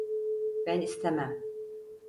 Ben istemem.